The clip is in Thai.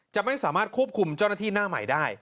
จะไม่สามารถควบคุมเจ้าหน้าที่หน้าใหม่ได้